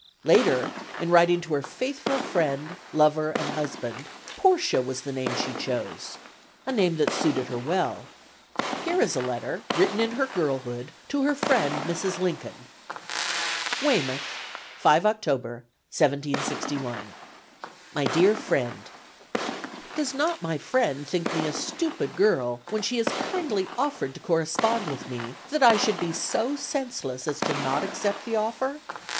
Later, in writing to her faithful friend, lover and husband, "Portia" was the name she chose, a name that suited her well. Here is a letter, written in her girlhood, to her friend, Mrs. Lincoln: "Weymouth, 5 October, 1761. "MY DEAR FRIEND, "Does not my friend think me a stupid girl, when she has kindly offered to correspond with me, that I should be so senseless as not to accept the offer?